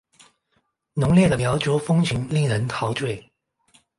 浓烈的苗族风情令人陶醉。